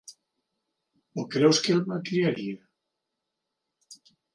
O creus que el malcriaria?